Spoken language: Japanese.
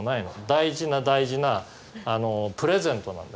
大事な大事なプレゼントなの。